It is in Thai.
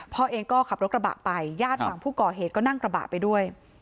พ่อเองก็ขับรถกระบะไปญาติฝั่งผู้ก่อเหตุก็นั่งกระบะไปด้วย